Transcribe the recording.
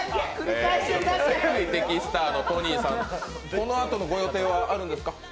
このあとのご予定はあるんですか？